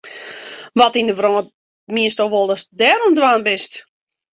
Wat yn de wrâld miensto wol datst dêr oan it dwaan bist?